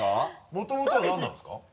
もともとは何なんですか？